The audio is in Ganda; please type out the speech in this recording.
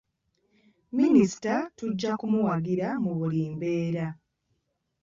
Minisita tujja kumuwagira mu buli mbeera.